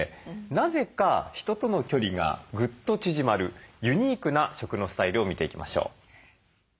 なぜか人との距離がぐっと縮まるユニークな食のスタイルを見ていきましょう。